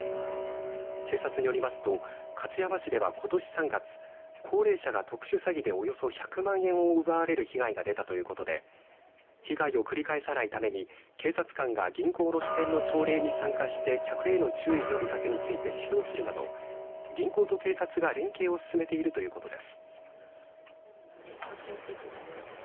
警察によりますと勝山市では、ことし３月高齢者が特殊詐欺でおよそ１００万円を奪われる被害が出たということで被害を繰り返さないために警察官が銀行の支店の朝礼に参加して客への注意呼びかけについて指導するなど銀行と警察が連携を進めているということです。